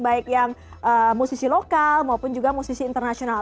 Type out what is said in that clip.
baik yang musisi lokal maupun juga musisi internasional